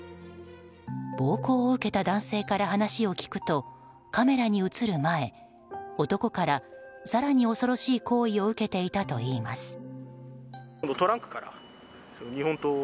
暴行を受けた男性から話を聞くとカメラに映る前男から更に恐ろしい行為を受けていたといいます。